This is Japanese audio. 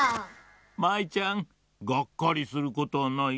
舞ちゃんがっかりすることはないよ。